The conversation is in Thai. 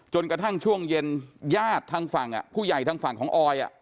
กระทั่งช่วงเย็นญาติทางฝั่งผู้ใหญ่ทางฝั่งของออย